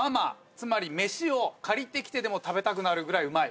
つまり飯を借りてきてでも食べたくなるぐらいうまい。